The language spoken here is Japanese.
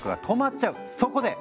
そこで！